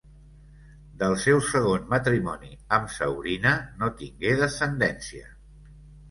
Del seu segon matrimoni amb Saurina no tingué descendència.